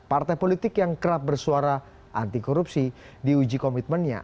partai politik yang kerap bersuara anti korupsi diuji komitmennya